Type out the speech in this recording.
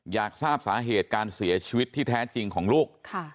อยากทราบสาเหตุการเสียชีวิตที่แท้จริงของลูก